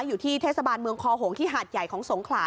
อยู่ที่เทศบาลเมืองคอหงที่หาดใหญ่ของสงขลา